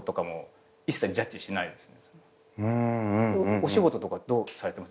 お仕事とかどうされてます？